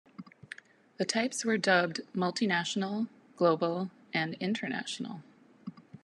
The types were dubbed "Multinational", "Global" and "International".